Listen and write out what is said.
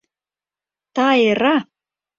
Тайра!